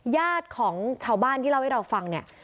ญาติของชาวบ้านที่เล่าให้เราฟังเนี่ย